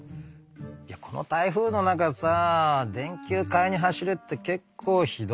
いやこの台風の中さ電球買いに走れって結構ひどくない？